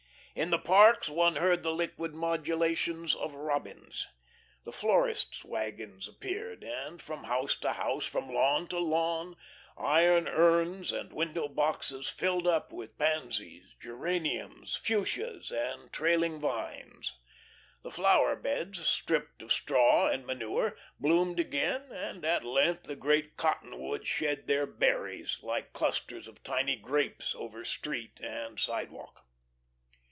In the parks one heard the liquid modulations of robins. The florists' wagons appeared, and from house to house, from lawn to lawn, iron urns and window boxes filled up with pansies, geraniums, fuchsias, and trailing vines. The flower beds, stripped of straw and manure, bloomed again, and at length the great cottonwoods shed their berries, like clusters of tiny grapes, over street and sidewalk.